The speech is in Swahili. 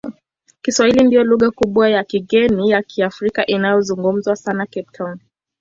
Kiswahili ndiyo lugha kubwa ya kigeni ya Kiafrika inayozungumzwa sana Cape Town.